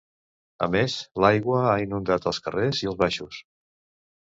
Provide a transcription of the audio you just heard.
A més, l'aigua ha inundat els carrers i els baixos.